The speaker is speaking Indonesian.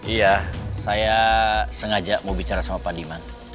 iya saya sengaja mau bicara sama pak diman